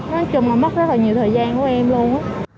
nói chung là mất rất là nhiều thời gian của em luôn